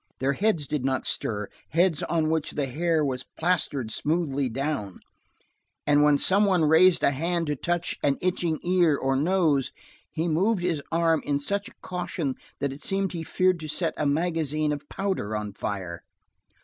Their heads did not stir, heads on which the hair was plastered smoothly down and when some one raised a hand to touch an itching ear, or nose, he moved his arm with such caution that it seemed he feared to set a magazine of powder on fire.